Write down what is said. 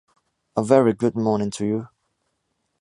A very good morning to you.